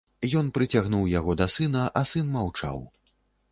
Ён прыцягнуў яго да сына, а сын маўчаў.